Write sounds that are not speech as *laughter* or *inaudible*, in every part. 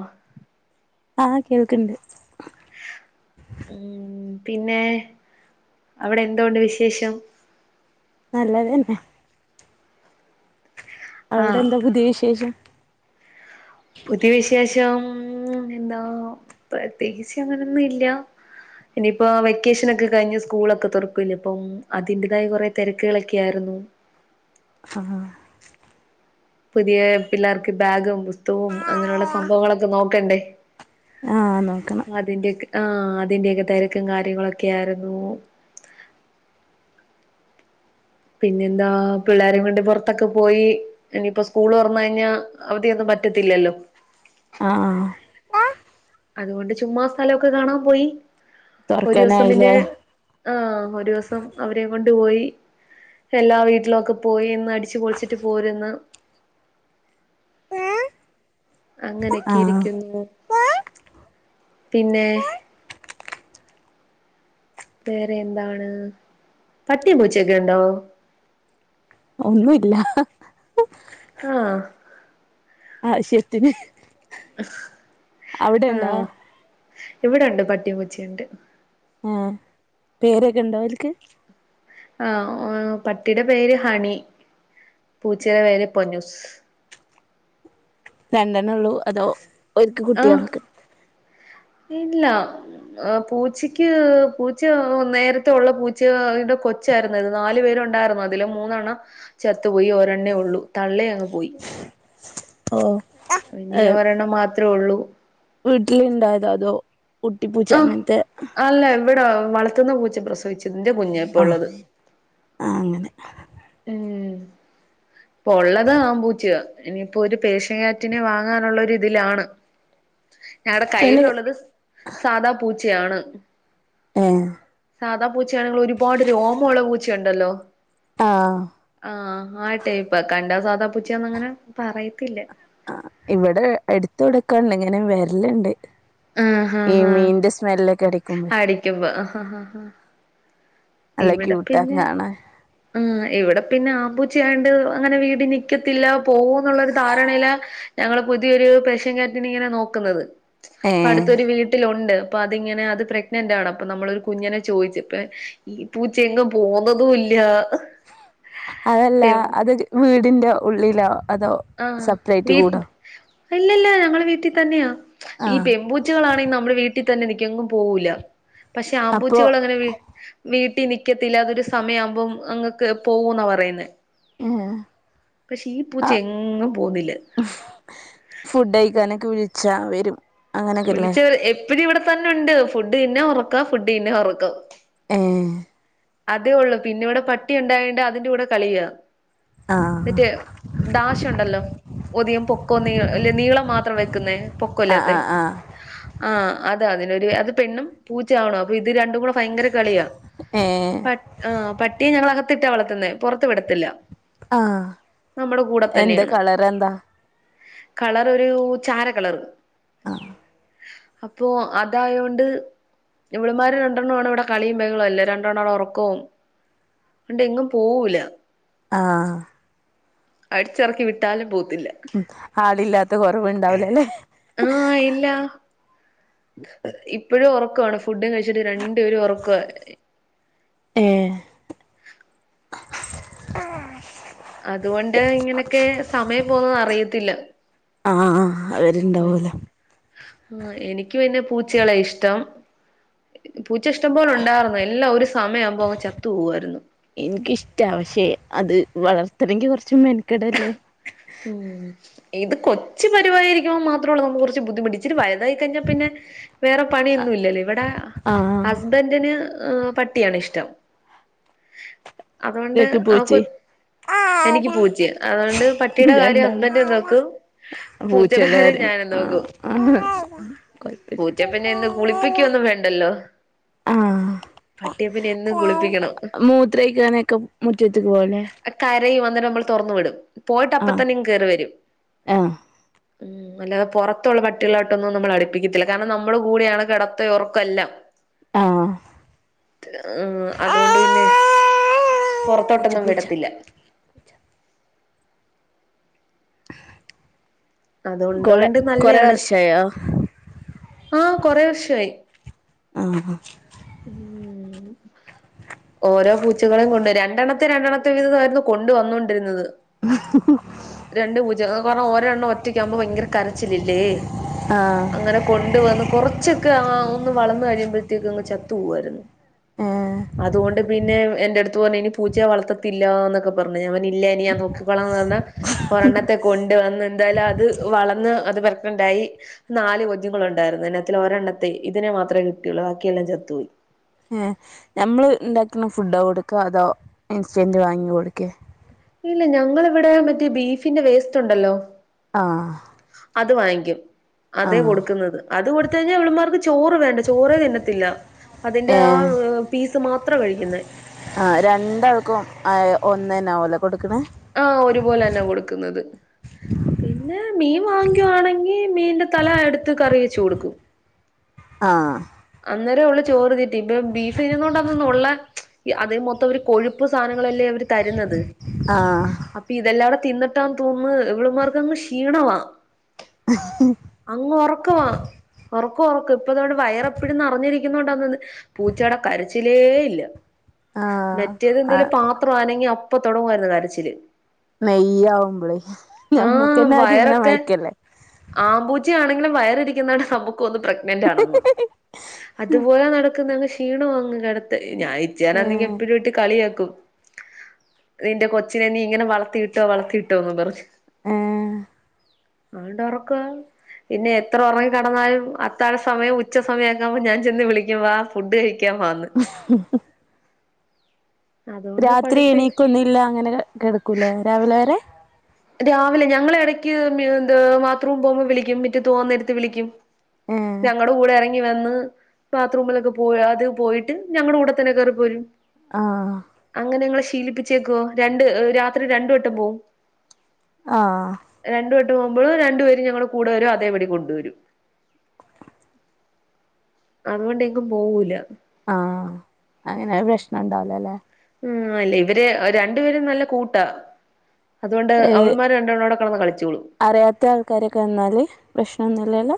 അഹ് ആ കേൾക്ക്ണ്ട് ഉം പിന്നെ അവിടെ എന്തോണ്ട് വിശേഷം നല്ലതന്നെ അവിടെ ആഹ് എന്താ പുതിയ വിശേഷം പുതിയ വിശേഷം എന്താ പ്രത്യേകിച്ച് അങ്ങനൊന്നും ഇല്ല ഇനിയിപ്പോ വെക്കേഷനൊക്കെ കഴിഞ്ഞ് സ്കൂളൊക്കെ തൊറക്കുവല്ലെ അപ്പം അതിന്റതായ കുറെ തെരക്കുകളൊക്കെ ആയിരുന്നു ആഹ് പുതിയെ പിള്ളാർക്ക് ബാഗും പുസ്തകവും അങ്ങനെയുള്ള സംഭവങ്ങളൊക്കെ നോക്കണ്ടേ? ആ നോക്കണം അതിന്റെ ഒക്കെ ആ അതിന്റെയൊക്കെ തെരക്കും കാര്യങ്ങളൊക്കെ ആയിരുന്നു. പിന്നെന്താ പിള്ളാരെയും കൊണ്ട് പൊറത്തൊക്കെ പോയി ഇനിയിപ്പോ സ്കൂള് തൊറന്ന് കഴിഞ്ഞാ അവധിയൊക്കെ പറ്റത്തില്ലല്ലോ ആ ആഹ് അതുകൊണ്ട് ചുമ്മാ സ്ഥല ഒക്കെ കാണാൻ പോയി ഒരു ദിവസം പിന്നെ തൊറക്കാനായില്ലേ ആ ഒരു ദിവസം അവരെയും കൊണ്ട് പോയി എല്ലാ വീട്ടിലൊക്കെ പോയി ഒന്ന് അടിച്ച് പൊളിച്ചിട്ട് പോരുന്ന് അങ്ങനൊക്കെ ആഹ് ഇരിക്കുന്നു പിന്നെ വേറെ എന്താണ് പട്ടിയും പൂച്ചൊക്കെ ഉണ്ടോ ഒന്നു ഇല്ല ആഹ് ആവിശ്യത്തിന് ആ ഉണ്ടോ ഇവിടെണ്ട് പട്ടിയും പൂച്ചയുണ്ട് ആ പേരൊക്കെ ഇണ്ടോ ഓൽക്ക് ആ പട്ടിയുടെ പേര് ഹണി പൂച്ചയുടെ പേര് പൊന്നൂസ് രണ്ടെണ്ണൊള്ളു അതോ ഓര്ക്ക് കുട്ടിയാളൊക്കെ ഇല്ലാ ആഹ് പൂച്ചയ്ക്ക് പൂച്ചാ നേരത്ത ഒള്ള പൂചായ്ടെ കൊ ച്ചായിര്ന്നു അത് നാല് പേരുണ്ടായിരുന്നു. അതില് മൂന്നെണ്ണം ചത്തു പോയി ഒരെണ്ണേ ഒള്ളു. തള്ളേ അങ്ങ് പോയി. ഓ ഇനിയാ ഒരണ്ണം മാത്രേ ഒള്ളൂ. വീട്ടില്ണ്ടായതോ അതോ കുട്ടിപ്പൂച്ച ആഹ്, അങ്ങനത്തെ അല്ല ഇവിടെ വളർത്തുന്ന പൂച്ച പ്രസവിച്ചതിന്റെ കുഞ്ഞാ ഇപ്പൊ ഉള്ളത്. ആ അങ്ങനെ ഉം ഇപ്പൊ ഒള്ളത് ആം പൂച്ചയാ. ഇനിയിപ്പൊരു പേർഷ്യ ക്യാറ്റിനെ വാങ്ങാനുള്ള ഒരു ഇതിലാണ്. ഞങ്ങടെ അയിന് കയ്യിലുള്ളത് സാധാ പൂച്ചയാണ്. എഹ് സാധാ പൂച്ചയാണെങ്കിൽ ഒരുപാട് രോമോള്ള പൂച്ചയുണ്ടല്ലോ? ആഹ് ആഹ് ആ ടൈപ്പ്. കണ്ടാ സാധാ പൂച്ചയാന്നങ്ങനെ പറയത്തില്ല. ആ ഇവിടെ എടുത്ത്വ്ടക്കണ്ട് ഇങ്ങനെ വര്ല്ണ്ട്. ആഹ് ഹാ ഈ മീനിന്റെ സ്മെല്ലൊക്കെ അടിക്കുമ്പോ ക്കുബോ ആഹാ നല്ല ഇവിടെ ക്യൂട്ടാ പിന്നെ കാണാൻ ഉം ഇവിടെ പിന്നെ ആംപൂച്ചായോണ്ട് അങ്ങനെ വീട് നിക്കത്തില്ല പോകൂന്നുള്ളരു ധാരണയിലെ ഞങ്ങള് പുതിയൊരു പേർഷ്യൻ ക്യാറ്റിനെ ഇങ്ങനെ നോക്കുന്നത്. ഏഹ് പ്പടുത്തൊരു വീട്ടിലുണ്ട്. അപ്പൊ അതിങ്ങനെ അത് പ്രെഗ്നന്റാണ് അപ്പൊ നമ്മളൊരു കുഞ്ഞിനെ ചോദിച്ചു. ഇപ്പേ ഈ പൂച്ചെയെങ്ങും പോകുന്നതൂല്ലാ. അതല്ലാ അതൊരു വീടിന്റെ ഉള്ളിലോ അതോ ആഹ് സെപ്പറേറ്റ് കൂടോ വീട്ന്റെ ഇല്ലല്ലാ ഞങ്ങളെ വീട്ടി തന്നെയാ. ഈ ആഹ് പെബൂ ച്ചകളാണെങ്കി നമ്മടെ വീട്ടി തന്നെ നിക്കും എങ്ങും പോകൂല്ല. പക്ഷെ അപ്പോ ആമ്പൂച്ചകളങ്ങനെ വീ വീട്ടി നിക്കത്തില്ലാ. അതൊരു സമയാവുമ്പോ അങ്ങക്ക് പോവൂന്നാ പറയുന്നേ. ഏഹ് പക്ഷെ ഈ പൂച്ച എങ്ങും പോവുന്നില്ല. ഫുഡ്ഴിക്കാനൊക്കെ വിളിച്ചാ വരും. അങ്ങനെയൊക്കെല്ലേ വിളിച്ചവര് എപ്പഴും ഇവിടെത്തന്നൊണ്ട് ഫുഡ് തിന്നാ ഒറക്കാ ഫുഡ് തിന്നാ ഒറക്കാം. ഏഹ് അതേ ഒള്ളൂ. പിന്നെ ഇവിടെ പട്ടി ഉണ്ടായോണ്ട് അതിന്റെ കൂടെ കളിയ. ആഹ് മറ്റേ ഡാഷുണ്ടല്ലോ ഒധികം പൊക്കോന്നീ നീളം മാത്രം വെക്കുന്നേ ആഹ് പൊക്കോല്ലാത്തെ? ആഹ് ആഹ് ആഹ് അത് അതിനൊരു അത് പെണ്ണും പൂച്ച ആണും അപ്പൊ ഇത് രണ്ടും കൂടെ ഭയങ്കര കളിയാ. ഏഹ് പ ആഹ് പട്ടിയെ ഞങ്ങളകത്തിട്ടാ വളത്തുന്നെ പൊറത്ത് വിടത്തില്ല. ആഹ് നമ്മടെ കൂടെ എന്താ തന്നെയാണ്. കളറെന്താ കളറൊരൂ ചാര കളറ്. അപ്പോ അതായോണ്ട് ഇവള്മാര് രണ്ടണ്ണോണ് ഇവിടെ കളിയും ബഹളോം എല്ലാം. ര ണ്ടാളെ ഒറക്കോം ഒണ്ട് എങ്ങും പോവൂല. ആഹ്. അടിച്ചെറക്കി വിട്ടാലും പോത്തില്ല. ഉം ആളില്ലാത്ത കൊറവ്ണ്ടാവൂല്ലാല്ലേ? ഇല്ലാ. ഇപ്പഴും ഒറക്കവാണ് ഫുഡും കഴിച്ചിട്ട് രണ്ടുപേരും ഒറക്കോണ്. ഏഹ് ആഹ്. അതുകൊണ്ട് ഇങ്ങനെക്കെ സമയം പോകുന്നത് അറിയത്തില്ല. അഹ് അഹ് ആഹ് അവര്ണ്ടാവോലോ. ആഹ് എനിക്ക് പിന്നെ പൂച്ചേളെ ഇഷ്ടം. പൂച്ച ഇഷ്ടം പോലെ ഉണ്ടായിർന്നു എല്ലാം ഒരു സമയമാവുമ്പോ അങ്ങ് ചത്തു പോവായിരുന്നു. ഇൻക്കിഷ്ടാ പക്ഷെ അത് വളർത്തണങ്കി കൊറച്ച് മെനക്കെടല്ലേ? ഉം ഇത് കൊച്ചു പരിവാടിയിരിക്കുമ്പോ മാത്രമൊള്ളൂ നമ്മക്ക് കൊറച്ച് ബുദ്ധിമുട്ട് ഇച്ചിരി വയ്തായി കഴിഞ്ഞാ പിന്നെ വേറെ പണിയൊന്നും ഇല്ലല്ലോ ഇവിടെ ആഹ് അ ന്റൻറ്റന് പട്ടിയാണ് ഇഷ്ടം അതുകൊണ്ട് കേക്ക് ആ കൊ പൂച്ചി എനിക്ക് പൂച്ചേ അതുകൊണ്ട് പട്ടി ക്കിയുടെ കാര്യം ഹസ്ബൻറ് രണ്ടാളും നോക്കും പൂച്ചയുടെ കാര്യം ഞാനും നോക്കും അഹ് പൂച്ച പിന്നെ ഇന്ന് കുളിപ്പിക്കൊന്നും വേണ്ടല്ലോ? പട്ടിയെ പിന്നെ എന്നും ആഹ് കുളിപ്പിക്കണം മൂത്രയിക്കാനൊക്കെ മുറ്റത്ത്ക്ക് പോവല്ലേ കരയും വന്ന്ട്ട് നമ്മൾ തൊറന്നു വിടും പോയിട്ട്പ്പ ആഹ് തന്നെയ കേറി വരും ആഹ് ഉം അല്ലാതെ പുറത്തുള്ള പട്ടികളായിട്ടൊന്നും നമ്മൾ അട് ക്കിത്തില്ല കാരണം നമ്മളെ കൂടെയാണ് കിടതേം ഉറക്കെല്ലാം ആഹ് ഹ് അതോണ്ട് പിന്നെ പൂച്ച പുറത്തോട്ടൊന്നും പൂച്ച വിടത്തില്ല കൊളെ അത്കൊണ്ടോണ്ട് കൊറെ നല്ലയാണ് വർഷായോ ആഹ കൊറേ വർഷായി ആഹ് ഉം ഓരോ പൂച്ചകളും കൊണ്ട് രണ്ടെണ്ണം ത്തെ രണ്ടെണ്ണത്തെ വീതായിരുന്നു കൊണ്ട് വന്നോണ്ടിരുന്നത് രണ്ട് പൂച്ചകൾ ഓരെണ്ണം ഒറ്റയ്ക്കാ വുമ്പോ ഭയങ്കര കരച്ചിലില്ലേ ആഹ് അങ്ങനെ കൊണ്ട് വന്ന് കുറച്ചൊക്കെ ആ ഒന്ന് വളർന്നു കഴിയുമ്പോഴത്തേക്ക് അങ്ങ് ചത്തു പോവായിരുന്നു ഏ അതുകൊണ്ട് പിന്നെ എന്റെ അടുത്തു പറഞ്ഞു ഇനി പൂച്ചയെ വളർത്തത്തില്ല എന്നൊക്കെ പറഞ്ഞെ ഞാൻ പറഞ്ഞ് ഇല്ല ഞാൻ നോക്കി ക്കോളാംന്ന് പറഞ്ഞാ ഒരെണ്ണ ത്തെ കൊണ്ട് വന്ന് എന്തായാലും അത് വളർന്ന് അത് വലിപ്പണ്ടായി നാല് കുഞ്ഞുങ്ങളുണ്ടായിരുന്നു. അതി ന്നത്തിൽ ഒരെണ്ണത്തെ ഇതിനെ മാത്രമേ കിട്ടിയൊള്ളൂ ബാക്കിയെല്ലാം ചത്തു പോയി ഏ നമ്മൾ ഉണ്ടാക്ക് ണ ഫുഡോ കൊടുക്കാ അതോ ഇൻസ്റ്റൻറ്റ് വാങ്ങി കൊടുക്കേ ഇല്ല ഞങ്ങളിവിടെ മറ്റേ ബീഫിന്റെ വേസ്റ്റ് ഉണ്ടല്ലോ ആഹ് അത് വാങ്ങിക്കും അതെ ആഹ് കൊടുക്കുന്നത് അത് കൊടുത്ത് കഴിഞ്ഞാൽ അവളമാർക്ക് ചോറ് വേണ്ട ചോറേ തിന്നത്തില്ല അതിന്റെ ആഹ് പീസ് മാത്രാ കഴിക്കുന്നേ ആ രണ്ടാൾക്കും അ ഒന്ന്ന്നലെ കൊടുക്ക്ണേ ഓ ഒരുപോലെന്നാ കൊടുക്കുന്നത് പിന്നെ മീൻ വാങ്ങിക്കുവാണെങ്കിൽ മീന്റെ തല എടുത്ത് കറി വെച്ച് കൊടുക്കും ആഹ് അന്നേരം ഓള് ചോറ് തീറ്റി. ഇപ്പൊ ബീഫി നെ കൊണ്ടന്നു നുള്ളാൻ അതില് മൊത്തം അവര് കൊഴുപ്പ് സാധനങ്ങളല്ലേ അവര് തരുന്നത് ആഹ് അപ്പൊ ഇതെല്ലാടെ തിന്നിട്ടാന്ന് തോന്നു ന്ന് ഇവള്മാർക്കങ്ങ് ക്ഷീണവാ അങ്ങ് ഉറക്കവാ ഉറക്കം ഉറക്ക് ഇപ്പൊതാ വയറൊ എപ്പഴും നിറഞ്ഞ് നിൽക്കുന്നതിനൊണ്ടാ തോന്നുന്നു പൂച്ചയുടെ കരച്ചിലേ ഇല്ല ആഹ് മറ്റേത് എന്തേലും ആഹ് പാത്രം അനങ്ങിയാ അപ്പൊ തൊടങ്ങുവമായിരുന്നു കരച്ചില് നെയ്യാവുമ്പളേ നമ്മക്കന്നെ അത് തിന്നാ മയക്കല്ലേ ആമ്പൂച്ചേ ആണെങ്കിലും വയറി ഇരിക്കുന്നത് നമുക്ക് തോന്നും പ്രെഗ്നന്റ് ആണെന്ന് അതുപോലെ നടക്കുന്ന ക്ഷീണ വങ്ങ് കിടത്ത് ഞാൻ ഇച്ചേനാണെങ്കി ഏഹ് എപ്പഴും ഇട്ട് കളിയാക്കും നിന്റെ കൊച്ചിനെ നീ ഇങ്ങനെ വള വളത്തിയിട്ടോ വളർത്തിയിട്ടോന്ന് പറഞ്ഞ് ഏഹ് അണ്ട് ഉറക്കാ പിന്നെ എത്ര ഉറങ്ങി കിടന്നാലും അത്താഴ സമയം ഉച്ച സമയം ആവുമ്പോ ഞാൻ ചെന്ന് വിളിക്കുംവാ ഫുഡ് കഴിക്കാൻ വാ ന്ന് അതുകൊണ്ട് രാത്രി കൊഴപ്പല്ല എണീക്കൊന്നില്ല അങ്ങനെ കെടക്കൂല്ലേ രാവിലെ വരെ രാവിലെ ഞങ്ങള് എടയ്ക്ക് എഹ് ബാത്റൂം പോകുമ്പോ വിളിക്ക്യും മിറ്റതോവന്നേരത്ത് വിളിക്കും ഏഹ് ഞങ്ങടെകൂടെ എറങ്ങി ങ്ങിവന്ന് ബാത്റൂമിലൊക്കെ പോയ് അത് പോയിട്ട് ഞങ്ങടെ കൂടെത്തന്നെ കയറി പോരും ആഹ് അങ്ങനെ ഞങ്ങള് ശീലിപ്പിച്ചേക്കുവ രണ്ട് രാത്രി രണ്ടുവട്ടം പോവും ആഹ് രണ്ടു വട്ടം പോകുമ്പോൾ രണ്ടുപേരുംഞങ്ങള് കൂടെ വരും അതേപടി കൊണ്ട് വരും അതുകൊണ്ടെങ്കും പോവൂല ആഹ് അങ്ങനെ വ് പ്രശ്നണ്ടാവൂലല്ലെ ഉം ഇല്ല ഇവര് രണ്ടുപേരും നല്ല കൂട്ടാ അതുകൊണ്ട് ഏഹ് അവള്മാര് രണ്ടണോട കെടന്ന് കളിച്ചോളും അറിയാത്ത ആൾക്കാരൊക്കെ വന്നാല് പ്രശ്നൊന്നുല്ലല്ലോ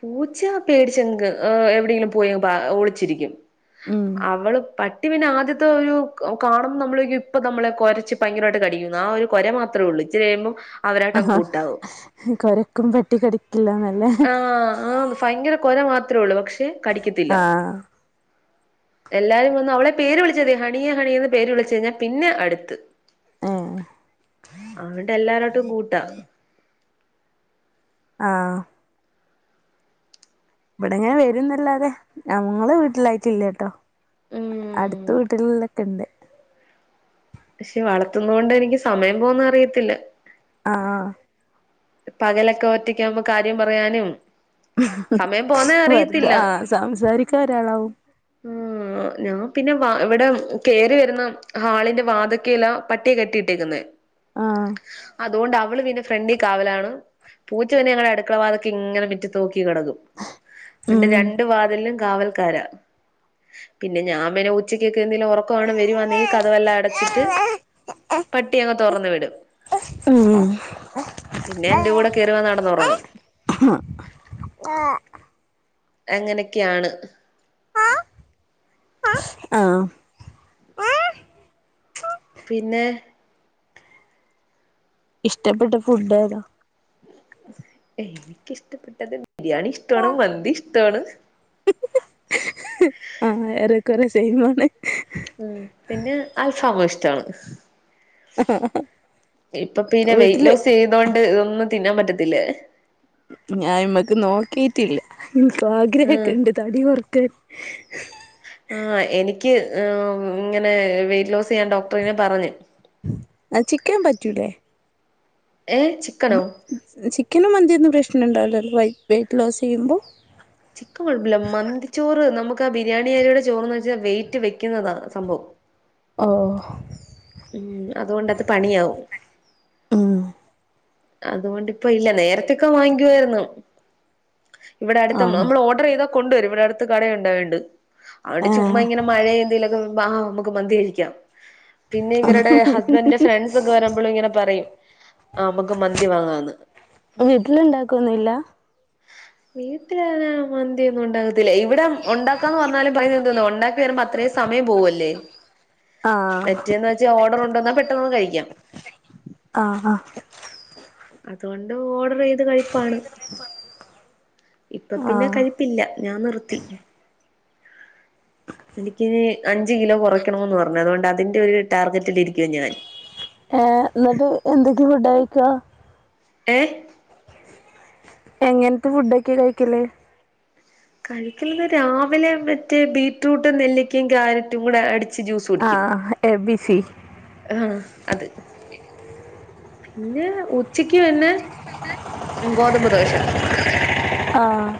പൂച്ച പേടിച്ചെങ്ക് എവിടെയെങ്കിലും പോയ ഓളിച്ചിരിക്കും ഉം അവള് പട്ടി പിന്നെ ആദ്യത്തെ ഒരു കാണ്പം നമ്മളിപ്പ നമ്മളെ കൊരച്ച് ഭയങ്കരമായിട്ട് കടിക്കുന്നു ആഹ് ഒരു കൊരമാത്രേള്ളൂ ഇച്ചിരി കഴിമ്പോ ആഹാ അവരായിട്ടങ്ങൂട്ടാവും കൊരക്കും പട്ടി കടിക്ക ക്കില്ലാന്നല്ലേ ആഹ് ആഹ് ഭയങ്കര കൊര മാത്രേള്ളൂ പക്ഷെ കടിക്കത്തില്ല ആഹ് എല്ലാരും വന്ന് അവളെ പേര് വിളിച്ചതേ ഹണിയെ ഹണിന്ന് പേര് വിളിച്ചയ്ഞ്ഞാ പിന്നെ അടുത്ത് ഏഹ് അണ്ടെല്ലാരോട്ടും കൂട്ടാ ആഹ് ഇവടെങ്ങനെ വെരുംന്നല്ലാതെ ഞങ്ങളെ വീട്ടിലായ്ട്ടില്യട്ടോ അടുത്ത ഉം വീട്ടിൽലോക്കെണ്ട് പക്ഷെ വളർത്തുന്നോണ്ട് എനിക്ക് സമയം പോന്ന അറിയത്തില്ല അഹ് ആഹ് പകലൊക്കെ ഒറ്റക്കാവുമ്പോ കാര്യം പറയാനും സമയം പോന്നേ വെറ്ത അറിയത്തില്ല ആഹ് സംസാരിക്കാ ഒരാളാവും ഉം ആഹ് ഞാൻ പിന്നെ വാ ഇവിടെ കേറി വെരുന്ന ഹാളിന്റെ വാത്ക്കേല പട്ടിയെ കെട്ടിയിട്ടേക്ക്ന്നെ ആഹ് അതുകൊണ്ട് അവള് പിന്നെ ഫ്രണ്ടി കാവലാണ് പൂച്ച പിന്നെ ഞങ്ങളുടെ അടുക്കളവാതിക്കെങ്ങനെ മിറ്റ നോക്കി കിടക്കും രണ്ട് ഉം രണ്ടു വാതില്ലും കാവൽക്കാര പിന്നെ ഞാൻ പിന്നെ ഉച്ചക്കെക്കെന്തെലും ഒറക്കവ വരുവാന്നേ കതകെല്ലാം അടച്ചിട്ട് പട്ടിയെ അങ്ങ് തൊറന്ന് വിടും ഉം. പിന്നെ എന്റെ കൂടെ കേറിവന്ന്ടന്നൊറങ്ങും അഹ് ആഹ് അങ്ങനെയൊക്കെയാണ് *inaudible* ആഹ് പിന്നെ ഇഷ്ട്ടപ്പെട്ട ഫുഡ് ഏത? എനിക്കിഷ്ട്ടപ്പെട്ടത് ബിരിയാണി ഇഷ്ടവാണ് മന്തി ഇഷ്ടവാണ് *inaudible* ആഹ് ഏറെക്കൊറെ സെയിംമാണ് ഉം പിന്നെ അൽഫാമുഷ്ട്ടാണ് ഇപ്പൊ പിന്നെ വീട്ടില് വെയ്റ്റ്ലോസ് ചെയ്തോണ്ട് ഇതൊന്നും തിന്നാൻ പറ്റത്തില്ല ഞാ അയ്മ്മക്ക് നോക്കിട്ടില്ല ഇൻക്കൂ ഉം ആഗ്രഹൊക്കെണ്ട് തടി കൊർക്കാൻ ആഹ് എനിക്ക് ഇങ്ങനെ വെറ്റ്ലോസെയ്യാൻ ഡോ പ്പയേ പറഞ്ഞ് ആഹ് ചിക്കൻ പറ്റൂലേ ഏഹ് ചിക്കനോ? ചിക്കനും മന്തിയൊന്നും പ്രശ്നം ഉണ്ടാവില്ലല്ലോ വൈറ്റ് വെയിറ്റ് ലോസ് ചെയ്യുമ്പോൾ ചിക്കൻ കുഴപ്പില്ല മന്തിച്ചോറ് നമുക്ക് ആ ബിരിയാണി അരിയുടെ ചോറ്ന്ന് വെച്ചാൽ വെയിറ്റ് വെക്കുന്നതാണ് സംഭവം ഓഹ ഓഹ ഉം അതുകൊണ്ടത് പണിയാവവും ഉം അതുകൊണ്ടിപ്പോ ഇല്ല നേരത്തേക്കെ വാങ്ങുവായിരുന്നു ഇവിടെ അടുത്ത ആഹ് നമ്മൾ ഓർഡർ ചെയ്ത കൊണ്ടണ്ടവരു ഇവിടെ അടുത്ത് കടയുണ്ടണ്ട്ടെ ചുമ്മാ ആഹ് ഇങ്ങനെ മഴയ എന്തെേലുമൊക്കെ ആഹ് നമുക്ക് മന്ദതികഴിക്കാം പിന്നെ ഇവരുടെ ഹസ്ബൻഡന്റെ ഫ്രണ്ട്സ് ഒക്കെ വരുമ്പോഴും ഇങ്ങനെ പറയും ആഹ് മന്തി വാങ്ങാന്ന് വീട്ടിലുണ്ടാക്കൊന്നുല്ല വീട്ടില മന്തിയൊന്നും ഉണ്ടാക്കത്തില്ല ഇവിടെ ഉണ്ടാക്കാന്ന് പറഞ്ഞാലും പയ എന്ത ഉണ്ടാക്ക വരുമ്പോ അത്രയും സമയം പോകല്ലേ ആഹ് വറ്റേന്ന് വെച്ചാൽ ഓർഡർ ഉണ്ടന്നാൽ പെട്ടെന്ന് ഒന്ന് കഴിക്കാം ആഹ് ആഹ് അതുകൊണ്ട് ഓർഡർ ചെയ്ത് കഴിപ്പാണ് ഇപ്പൊ പിന്നെ ആഹ് കഴിപ്പില്ല ഞാൻ നിർത്തി എനിക്ക്ന് അഞ്ച് കിലോ കൊറയ്ക്കണമെന്ന് പറഞ്ഞു അതുകൊണ്ട് അതിന്റെ ഒരു ടാർഗറ്റ്ല് ഇരിക്ക്യാ ഞാൻ ഏഹ് ഇന്നട്ട് എന്തൊക്കെ ഫുഡായ് ക്കാ ഏഹ് എങ്ങൻത്തെ ഫുഡൊക്കെ കഴിക്കല് കഴിക്ക്ണത് രാവിലെ മറ്റേ ബീറ്റ്റൂട്ട് നെല്ലിക്ക്യെ ക്യാരറ്റും കൂടെ അടി ആഹ് ആഹ് എ ബി സി ആഹ് അത് പിന്നെ ഉച്ചക്ക് തന്നെ ഗോതമ്പ് ദോശ. ആഹ്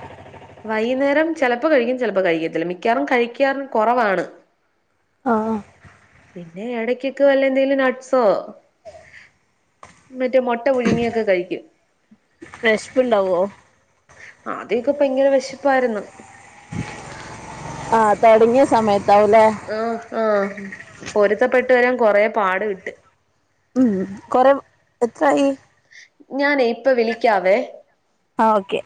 വൈകുന്നേരം ചെലപ്പൊ കഴിക്കും. ചെലപ്പൊ കഴിക്കത്തില്ല. മിക്കവാറും കഴിക്കാറും കൊറവാണ്. ആഹ് അഹ് പിന്നെ എടെക്കൊക്കെ വല്ല എന്തേലും നട്ട്സോ. മറ്റേ മൊട്ട പുഴുങ്ങിയൊക്കെ കഴിക്കും. വെഷ്പ്പുണ്ടാവോ ആദ്യൊക്കെ പയങ്കര വെശപ്പായിരുന്നു. ആഹ് തൊടങ്ങിയ സമയത്താവുലേ. ആഹ് ആഹ് പൊരുത്തപ്പെട്ട് വരാൻ കൊറേ പാട് വിട്ട് ഉം കൊറെ എത്രായി. ഞാനേ ഇപ്പ വിളിക്കാവേ ആഹ് ഓക്കെ